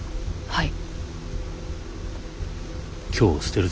はい。